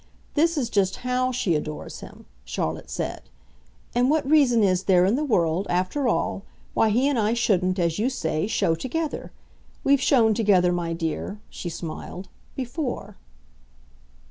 This is just HOW she adores him," Charlotte said. "And what reason is there, in the world, after all, why he and I shouldn't, as you say, show together? We've shown together, my dear," she smiled, "before."